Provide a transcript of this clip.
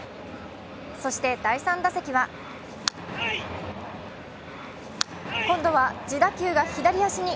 そして第３打席は今度は自打球が左足に。